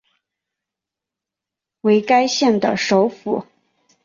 为该县的首府。